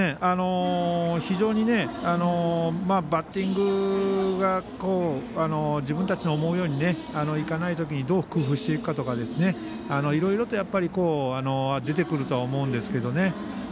非常にバッティングが自分たちの思うようにいかないときにどう工夫していくかとかですねいろいろと出てくるとは思うんですけどね。